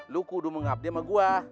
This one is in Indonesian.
lu kudu mengabdi sama gue